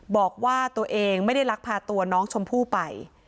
บอกว่าตัวเองไม่ได้ลักพาตัวน้องชมพู่ไป